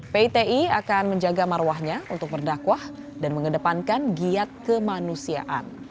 piti akan menjaga marwahnya untuk berdakwah dan mengedepankan giat kemanusiaan